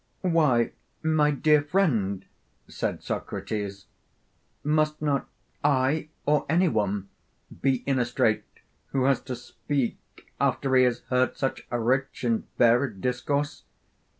Why, my dear friend, said Socrates, must not I or any one be in a strait who has to speak after he has heard such a rich and varied discourse?